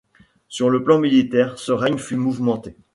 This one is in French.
Sur le plan militaire, ce règne fut mouvementé.